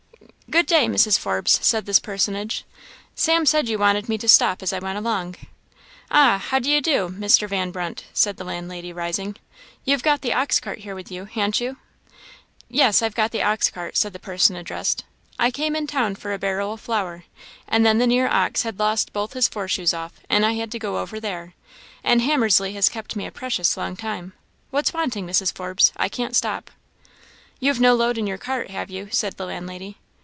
"Good day, Mrs. Forbes," said this personage; "Sam said you wanted me to stop as I went along." "Ah, how d'ye do, Mr. Van Brunt?" said the landlady, rising "you've got the ox cart here with you, han't you?" "Yes I've got the ox cart," said the person addressed. "I came in town for a barrel of flour; and then the near ox had lost both his fore shoes off, and I had to go over there; and Hammersley has kept me a precious long time. What's wanting, Mrs. Forbes? I can't stop." "You've no load in the cart, have you?" said the landlady.